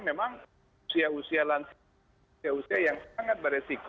memang usia usia lansia usia yang sangat beresiko